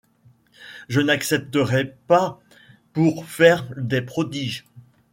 Je n’accepterais pas, pour faire des prodiges